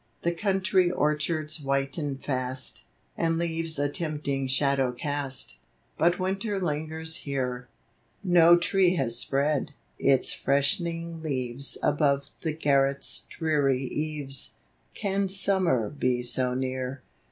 The country orchards whiten fast, And leaves a tempting shadow cast; But Winter lingers here, GONE TO HEAVEN. 23 No tree has spread its fresh'ning leaves Above the garret's dreary eaves; Can Summer he so near?